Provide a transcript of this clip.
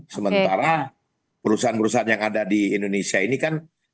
sementara perusahaan perusahaan yang ada di indonesia ini kan